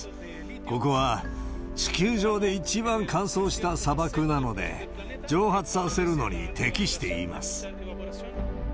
ここは地球上で一番乾燥した砂漠なので、蒸発させるのに適しています。